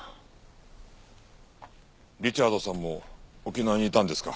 リチャードさんも沖縄にいたんですか？